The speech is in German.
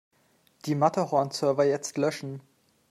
Die Matterhorn-Server jetzt löschen!